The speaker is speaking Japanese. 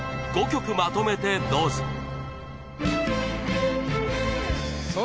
５曲まとめてどうぞ。